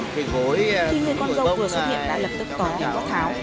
khi người con dâu vừa xuất hiện đã lập tức có hình bó tháo